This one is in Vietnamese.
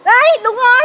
ê đúng rồi